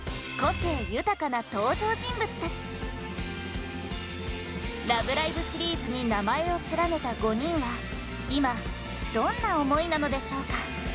そして「ラブライブ！」シリーズに名前を連ねた５人は今どんな思いなのでしょうか？